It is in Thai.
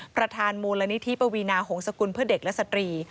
ประธานมูลนิธิปวีนาหงษกุลเพื่อเด็กและสตรี